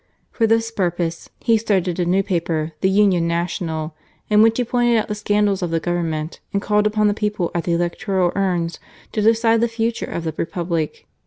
For this purpose he started a new paper, the Union Nacionaly in which he pointed out the scandals of the Government, and called upon the people at the electoral urns to decide the future of the Republic.